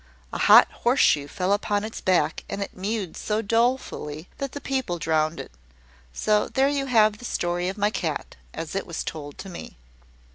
A hot horse shoe fell upon its back, and it mewed so dolefully that the people drowned it. So there you have the story of my cat, as it was told to me."